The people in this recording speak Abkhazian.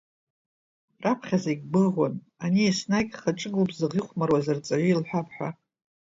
Раԥхьа зегьы гәыӷуан, ани еснагь хаҿы гәыбзыӷ ихәмаруаз арҵаҩы илҳәап ҳәа.